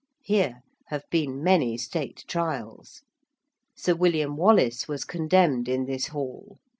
Here have been many State trials. Sir William Wallace was condemned in this Hall.